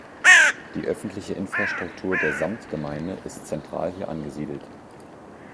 Die öffentliche Infrastruktur der Samtgemeinde ist zentral hier angesiedelt.